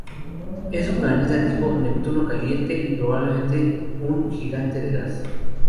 Es un planeta tipo "Neptuno caliente" y probablemente un gigante de gas.